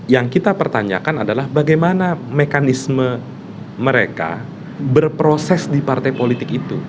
yang kita pertanyakan adalah bagaimana mekanisme mereka berproses di partai politik itu